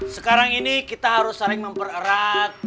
sekarang ini kita harus saling mempererat